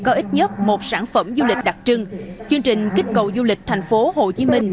có ít nhất một sản phẩm du lịch đặc trưng chương trình kích cầu du lịch tp hcm